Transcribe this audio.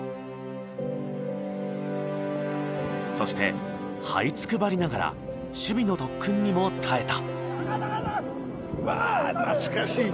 そしてはいつくばりながら守備の特訓にも耐えた。